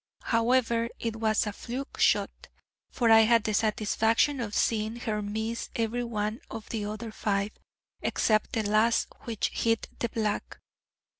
However, it was a fluke shot, for I had the satisfaction of seeing her miss every one of the other five, except the last, which hit the black.